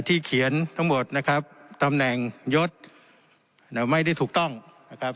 เขียนทั้งหมดนะครับตำแหน่งยศไม่ได้ถูกต้องนะครับ